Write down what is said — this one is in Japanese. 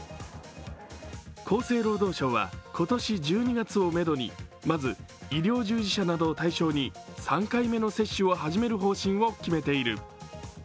厚生労働省は、今年１２月をめどにまず医療従事者などを対象に３回目の接種を始める方針を決めている。